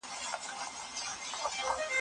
تاسې هم باید د نورو لپاره مثبت اوسئ.